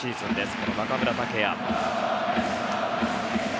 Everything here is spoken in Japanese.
この中村剛也。